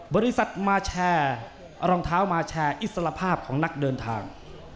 บริษัทมาแชร์รองเท้ามาแชร์อิสระภาพของนักเดินทาง